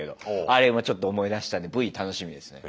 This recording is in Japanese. あれちょっと思い出したんでＶ楽しみですよね。